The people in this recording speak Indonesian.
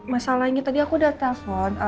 masalahnya tadi aku udah telpon